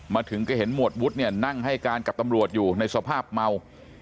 มาถึงก็เห็นหวดวุฒิเนี่ยนั่งให้การกับตำรวจอยู่ในสภาพเมา